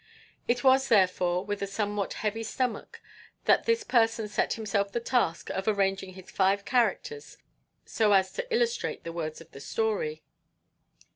It was, therefore, with a somewhat heavy stomach that this person set himself the task of arranging his five characters as so to illustrate the words of the story.